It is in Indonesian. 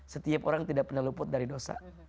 setiap orang tidak pernah luput dari dosa